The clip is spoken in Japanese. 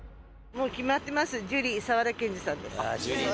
もう決まってます、ジュリー、沢田研二さんです。